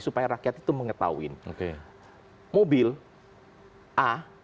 supaya rakyat itu mengetahui mobil a